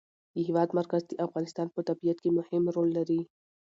د هېواد مرکز د افغانستان په طبیعت کې مهم رول لري.